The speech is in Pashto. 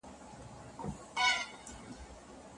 دغه قول د مجاهد رحمه الله څخه هم را نقل سوی دی.